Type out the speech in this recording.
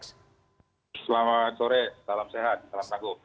selamat sore salam sehat salam kagum